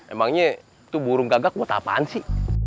emangnya itu burung gagak buat apaan sih